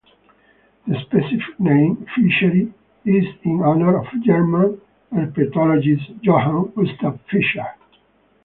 The specific name, "fischeri", is in honor of German herpetologist Johann Gustav Fischer.